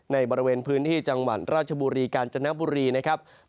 ในบริเวณพื้นที่จังหวัดราชบุรีกาญจนบุรีนะครับ